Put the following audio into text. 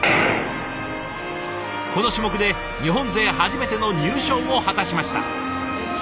この種目で日本勢初めての入賞を果たしました。